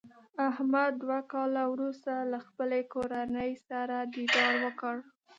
احمد دوه کاله ورسته له خپلې کورنۍ سره دیدار وکړ.